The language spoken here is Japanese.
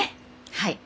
はい。